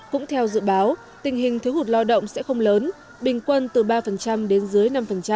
cũng theo dự báo tình hình thiếu hụt lao động sẽ không lớn bình quân từ ba đến dưới năm